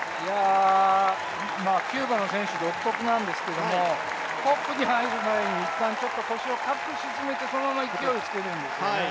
キューバの選手、独特なんですけどホップに入る前にいったん腰を深く沈めてそのまま勢いつけるんですよね。